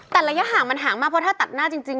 แต่ระยะห่างมันห่างมากเพราะถ้าตัดหน้าจริง